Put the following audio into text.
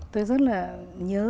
tôi rất là nhớ